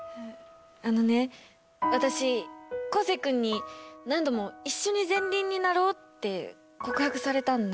あのね私昴生君に何度も一緒に前輪になろうって告白されたんだ。